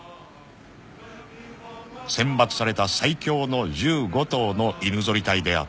［選抜された最強の１５頭の犬ぞり隊であった］